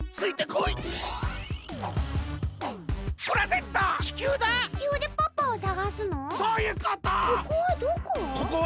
ここはどこ？